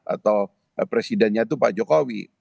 atau presidennya itu pak jokowi